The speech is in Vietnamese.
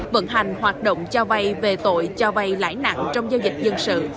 vận hành hoạt động cho vay về tội cho vay lãi nặng trong giao dịch dân sự